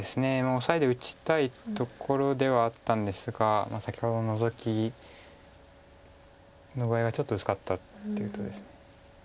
オサエで打ちたいところではあったんですが先ほどのノゾキの場合はちょっと薄かったっていうとこです。